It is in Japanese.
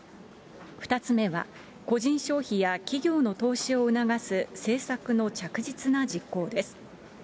２つ目は、個人消費や企業の投資を促す政策の着実な実行です。